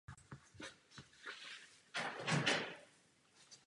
Evropská unie potřebuje kvalifikované lidské zdroje.